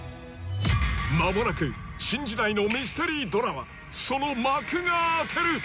まもなく新時代のミステリードラマその幕が開ける！